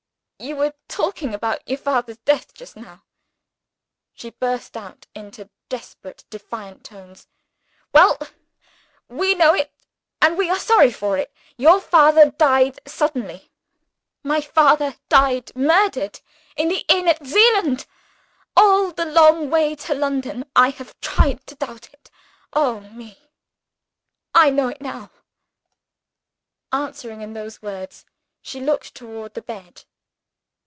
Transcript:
"You were talking about your father's death just now," she burst out, in desperate defiant tones. "Well! we know it and we are sorry for it your father died suddenly." "My father died murdered in the inn at Zeeland! All the long way to London, I have tried to doubt it. Oh, me, I know it now!" Answering in those words, she looked toward the bed.